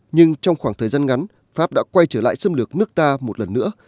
nhưng trong khoảng thời gian ngắn pháp đã quay trở lại xâm lược nước ta một lần nữa